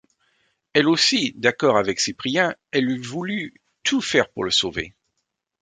Elle aussi, d’accord avec Cyprien, elle eût voulu tout faire pour le sauver!